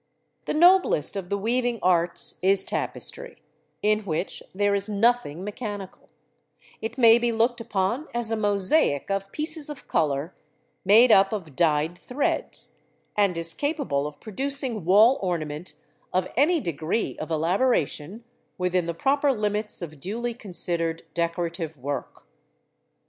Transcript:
The noblest of the weaving arts is Tapestry, in which there is nothing mechanical: it may be looked upon as a mosaic of pieces of colour made up of dyed threads, and is capable of producing wall ornament of any degree of elaboration within the proper limits of duly considered decorative work.